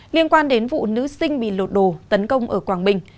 liên quan đến vụ nữ sinh bị lột đồ tấn công ở quảng bình